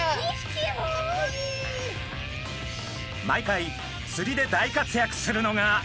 毎回釣りで大活躍するのが。